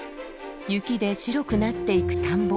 雪で白くなっていく田んぼ。